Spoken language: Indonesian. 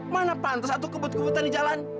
mana pantas atau kebut kebutan di jalan